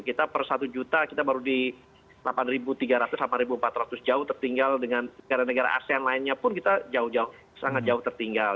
kita per satu juta kita baru di delapan tiga ratus delapan ribu empat ratus jauh tertinggal dengan negara negara asean lainnya pun kita jauh jauh sangat jauh tertinggal